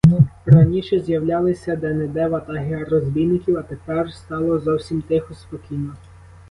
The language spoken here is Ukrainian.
Раніше з'являлися де-не-де ватаги розбійників, а тепер стало зовсім тихо, спокійно.